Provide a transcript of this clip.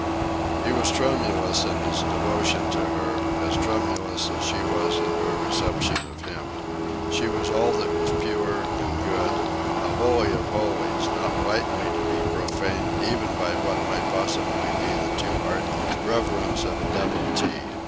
He was tremulous in his devotion to her as tremulous as was she in her reception of him. She was all that was pure and good, a holy of holies not lightly to be profaned even by what might possibly be the too ardent reverence of a devotee.